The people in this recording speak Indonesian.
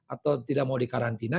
atau tidak mau dikarantina